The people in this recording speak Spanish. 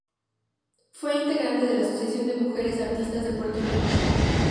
Fue integrante de la Asociación de Mujeres Artistas de Puerto Rico.